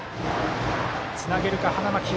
つなげるか、花巻東。